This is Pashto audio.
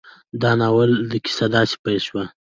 د ناول کيسه داسې پيل شوې